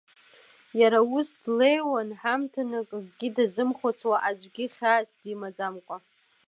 Иара ус длеиуан, ҳамҭанык акгьы дазымхәыцуа, аӡәгьы хьаас димаӡамкәа.